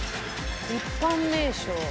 一般名称。